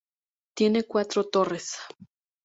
Tiene cuatro torres.